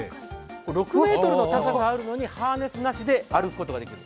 ６ｍの高さあるのにハーネスなしで歩くことができる。